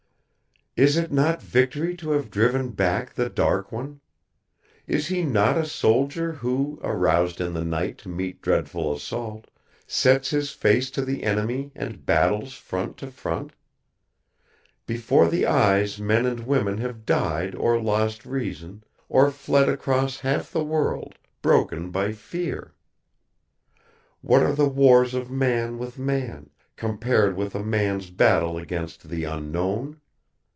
"Is it not victory to have driven back the Dark One? Is he not a soldier who, aroused in the night to meet dreadful assault, sets his face to the enemy and battles front to front? Before the Eyes men and women have died or lost reason, or fled across half the world, broken by fear. What are the wars of man with man, compared with a man's battle against the Unknown?